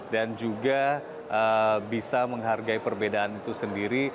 dan juga bisa menghargai perbedaan itu sendiri